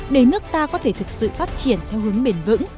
để nước ta có thể thực sự phát triển theo hướng bền vững